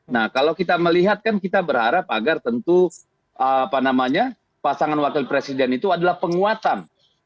nah kalau kita melihat kan kita berharap agar tentu pasangan wakil presiden itu adalah penguatan